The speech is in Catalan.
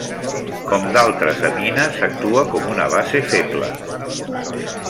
Com d'altres amines actua com una base feble.